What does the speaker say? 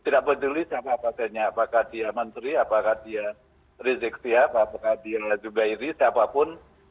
tidak peduli siapa pasiennya apakah dia menteri apakah dia rezeki apakah dia juga iri siapapun